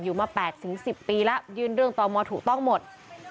อยู่มา๘๑๐ปีแล้วยื่นเรื่องต่อมอถูกต้องหมด